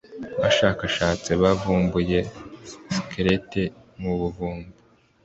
Abashakashatsi bavumbuye skeleti mu buvumo.